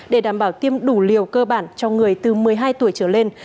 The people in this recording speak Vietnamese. để đảm bảo tiêm đủ liều cơ bản cho người từ một mươi hai tuổi trở lên